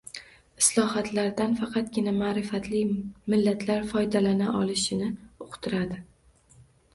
islohotlardan faqatgina ma`rifatli millatlar foydalana olishini uqtiradi.